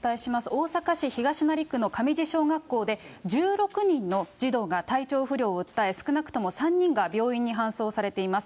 大阪市東成区の神路小学校で、１６人の児童が体調不良を訴え、少なくとも３人が病院に搬送されています。